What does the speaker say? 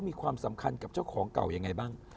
มีความสำคัญกับเจ้าของเก่ายังไงบ้าง